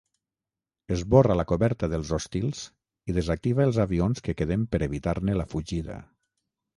Esborra la coberta dels hostils i desactiva els avions que queden per evitar-ne la fugida.